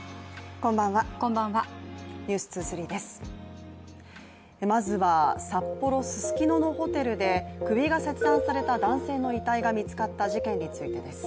こんばんは、「ｎｅｗｓ２３」ですまずは札幌ススキノのホテルで首が切断された男性の遺体が見つかった事件についてです。